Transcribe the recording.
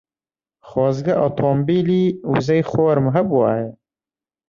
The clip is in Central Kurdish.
خۆزگە ئۆتۆمۆبیلی وزەی خۆرم هەبوایە.